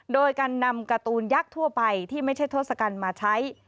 โดยการนำการ์ตูนยักษ์ทั่วไปที่ไม่ใช่ทศกัณฐ์มาใช้